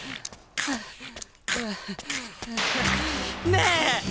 ねえ？